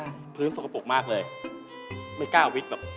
อ้าวก็ทำความสะอาดสิครับ